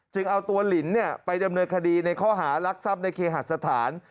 จึงเอาตัวลิ้นเนี่ยไปดำเนินคดีในข้อหารักษรรพในเคหัสสถาน